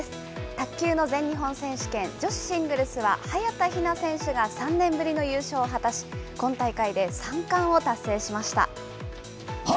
卓球の全日本選手権女子シングルスは、早田ひな選手が３年ぶりの優勝を果たし、今大会で３冠を達成しました。